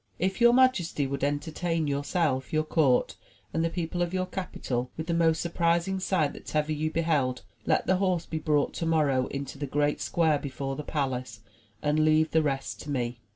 If your majesty would entertain yourself, your court, and the people of your capital with the most surprising sight that ever you beheld, let the horse be brought tomorrow into the great square before the palace, and leave the rest to me.